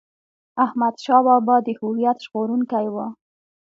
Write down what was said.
احمد شاه بابا د هویت ژغورونکی و.